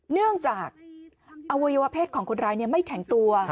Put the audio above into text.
เนื่องจากอวัยวะเพศของคนร้ายไม่แข็งตัว